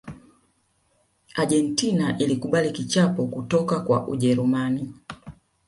argentina ilikubali kichapo kutoka kwa ujerumani